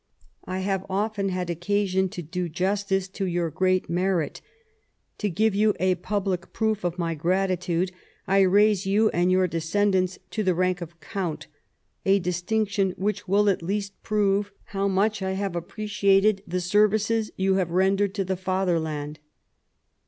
I have often had occasion to do justice to 3'our great merit. To give you a public proof of my gratitude, I raise you and your descendants to the rank of Count, a distinction which will at least prove how much I have appreciated the services you have rendered to the Fatherland."